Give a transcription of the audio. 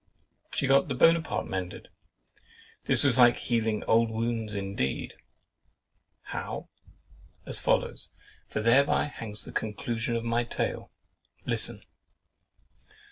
She got the Buonaparte mended. This was like healing old wounds indeed! How? As follows, for thereby hangs the conclusion of my tale. Listen.